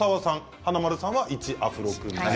華丸さんが１アフロ君。